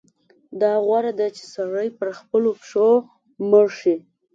دا غوره ده چې سړی پر خپلو پښو مړ شي.